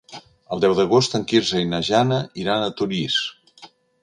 El deu d'agost en Quirze i na Jana iran a Torís.